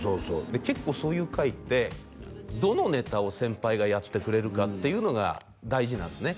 結構そういう会ってどのネタを先輩がやってくれるかっていうのが大事なんですね